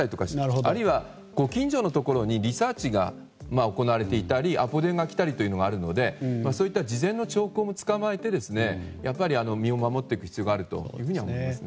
あるいはご近所のところにリサーチが行われていたりアポ電が来たりというのがあるのでそういった事前の兆候をつかまえて身を守っていく必要があるとは思いますね。